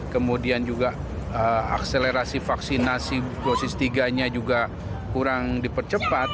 kemudian juga akselerasi vaksinasi dosis tiga nya juga kurang dipercepat